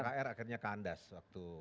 rukkr akhirnya kandas waktu